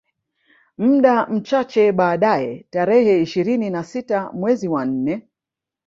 Muda mchache baadae tarehe ishirini na sita mezi wa nne